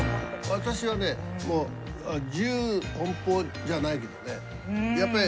私はねもう自由奔放じゃないけどねやっぱり。